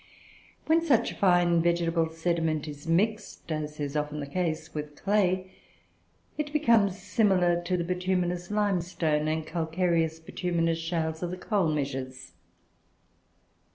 When such tine vegetable sediment is mixed, as is often the case, with clay, it becomes similar to the bituminous limestone and calcareo bituminous shales of the coal measures.